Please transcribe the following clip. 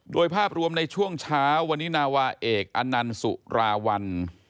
โดยภาพรวมในช่วงเช้าวันนี้นาวาเอกอนันสุราวัล